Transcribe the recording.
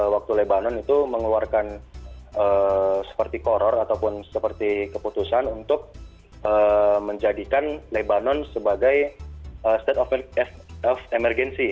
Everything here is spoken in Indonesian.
waktu lebanon itu mengeluarkan seperti koror ataupun seperti keputusan untuk menjadikan lebanon sebagai state of emergency